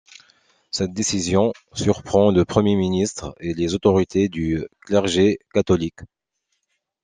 Cette décision surprend le premier ministre et les autorités du clergé catholique.